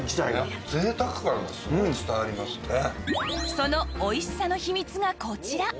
そのおいしさの秘密がこちら